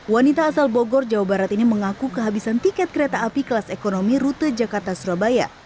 wanita asal bogor jawa barat ini mengaku kehabisan tiket kereta api kelas ekonomi rute jakarta surabaya